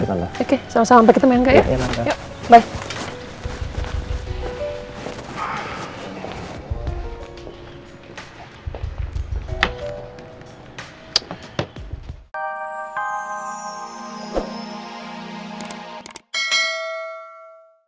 oke sama sama sampai kita main gak ya